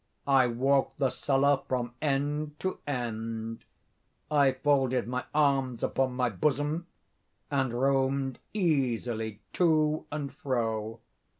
I walked the cellar from end to end. I folded my arms upon my bosom, and roamed easily to and fro.